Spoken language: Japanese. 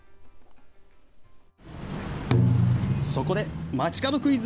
そこで街角クイズ。